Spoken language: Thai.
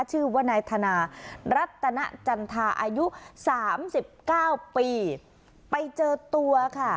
ชื่อว่านายธนารัตนจันทาอายุสามสิบเก้าปีไปเจอตัวค่ะ